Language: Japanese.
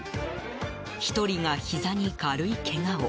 １人がひざに軽いけがを。